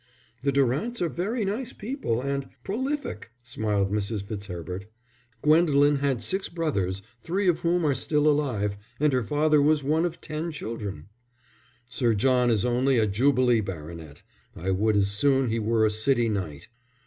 "The Durants are very nice people, and prolific," smiled Mrs. Fitzherbert. "Gwendolen had six brothers, three of whom are still alive, and her father was one of ten children." "Sir John is only a Jubilee baronet. I would as soon he were a city knight."